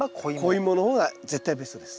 子イモの方が絶対ベストです。